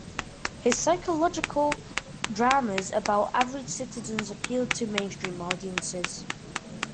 His psychological dramas about average citizens appealed to mainstream audiences.